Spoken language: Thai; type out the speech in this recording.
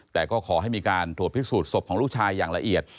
แต่ก็ขอให้มีการตรวจพิสูจนศพของลูกชายอย่างละเอียด